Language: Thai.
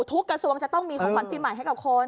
กระทรวงจะต้องมีของขวัญปีใหม่ให้กับคน